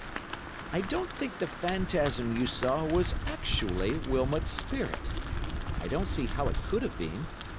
"I don't think the phantasm you saw was actually Wilmot's spirit. I don't see how it could have been.